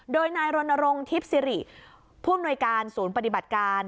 โดยนายรณรงค์ทิพย์สิริผู้อำนวยการศูนย์ปฏิบัติการ